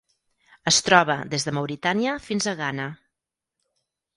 Es troba des de Mauritània fins a Ghana.